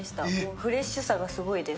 フレッシュさがすごいです。